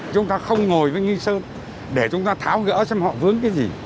chúng ta không ngồi với nghi sơn để chúng ta tháo gỡ xem họ vướng cái gì